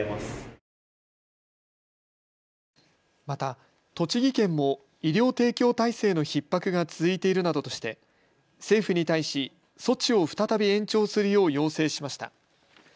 また、栃木県も医療提供体制のひっ迫が続いているなどとして政府に対し措置を再び延長するよう要請しました。